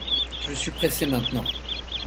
Je suis pressé maintenant.